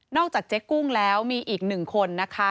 จากเจ๊กุ้งแล้วมีอีกหนึ่งคนนะคะ